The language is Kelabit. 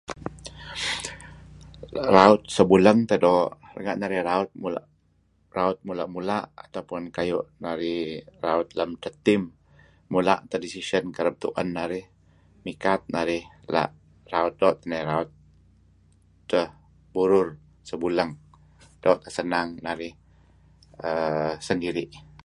Raut sebuleng teh doo'. Renga' narih raut mula'... raut mula'-mula' ata pun kayu' narih raut lem edteh team, mula' teh decision kereb tu'en narih. Mikat narih la' raut. Doo' teh narih raut edteh burur, sebuleeng. Errr... Doo' teh senang narih. Sendiri'.